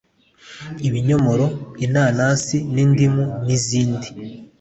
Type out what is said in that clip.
ibinyomoro, inanasi, nindimu n’izindi.